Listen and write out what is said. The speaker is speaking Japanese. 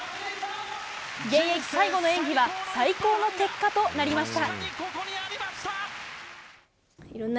現役最後の演技は最高の結果となりました。